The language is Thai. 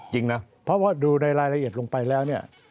จริงครับเพราะว่าดูในรายละเอียดลงไปแล้ว